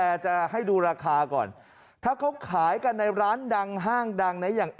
คุณจะขายของคุณภาพสวนทางกับราคา